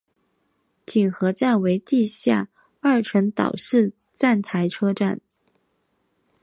锦水河站为地下二层岛式站台车站。